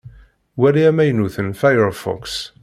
Wali amaynut n Firefox.